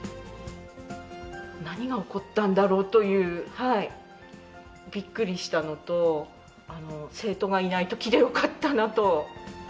何が起こったんだろうという、びっくりしたのと、生徒がいないときでよかったなと。